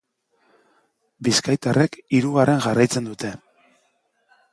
Bizkaitarrek hirugarren jarraitzen dute.